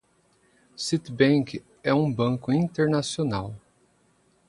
Citibank é um banco internacional.